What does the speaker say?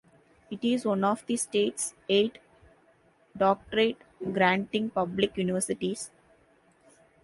It is one of the state's eight doctorate-granting public universities.